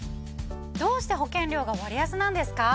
どうして保険料が割安なんですか？